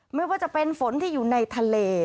ไม่ว่าจะเป็นฝนที่อยู่ในทะเล